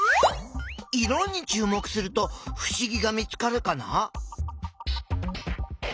色にちゅう目するとふしぎが見つかるかな？